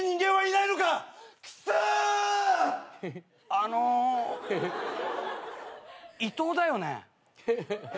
あの伊藤だよね？